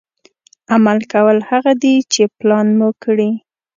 عمل کول هغه دي چې پلان مو کړي.